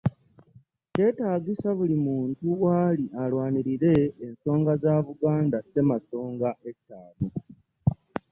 Kyetaagisa buli muntu w'ali alwanirire ensonga za Buganda Ssemasonga ettaano